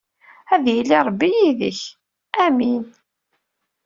Ad yili Ṛebbi yid-k. amin.